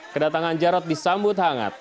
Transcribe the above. kedatangan jarod disambut hangat